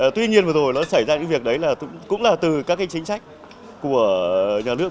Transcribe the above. tuy nhiên vừa rồi nó xảy ra những việc đấy cũng là từ các chính sách của nhà nước